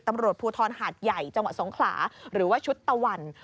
ตำรวจภูทรหาดใหญ่จังหวัดสงขลาหรือว่าชุดตะวัน